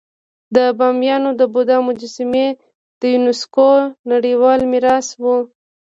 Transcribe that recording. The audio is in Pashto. د بامیانو د بودا مجسمې د یونسکو نړیوال میراث وو